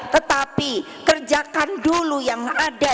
tetapi kerjakan dulu yang ada